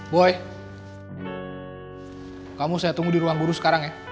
boy kamu saya tunggu di ruang guru sekarang ya